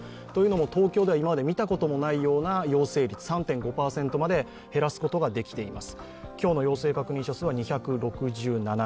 東京では今まで見たことのないような陽性率３．５％まで減らすことができています。